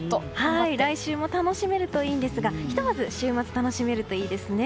来週も楽しめるといいんですがひとまず週末楽しめるといいですね。